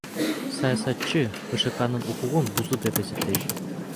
Саясатчы БШК анын укугун бузду деп эсептейт.